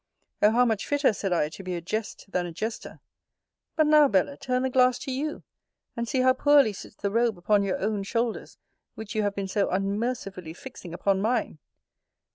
O how much fitter, said I, to be a jest, than a jester! But now, Bella, turn the glass to you, and see how poorly sits the robe upon your own shoulders, which you have been so unmercifully fixing upon mine!